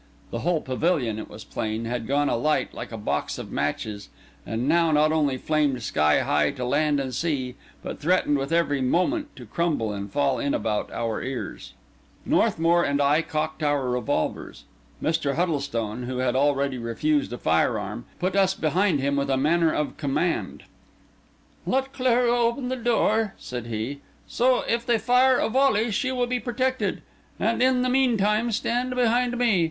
The whole pavilion, it was plain, had gone alight like a box of matches, and now not only flamed sky high to land and sea, but threatened with every moment to crumble and fall in about our ears. Northmour and I cocked our revolvers. Mr. Huddlestone, who had already refused a firearm, put us behind him with a manner of command. "Let Clara open the door," said he. "So, if they fire a volley, she will be protected. And in the meantime stand behind me.